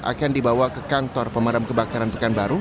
akan dibawa ke kantor pemadam kebakaran pekanbaru